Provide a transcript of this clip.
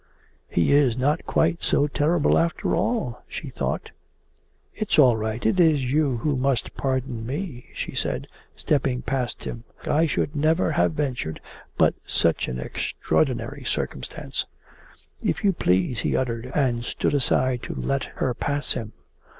'He is not quite so terrible, after all,' she thought. 'It's all right. It is you who must pardon me,' she said, stepping past him. 'I should never have ventured, but such an extraordinary circumstance...' 'If you please!' he uttered, and stood aside to let her pass him.